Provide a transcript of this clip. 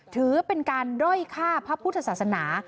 ถือเป็นการด้อยฆ่าพระพุทธศาสนา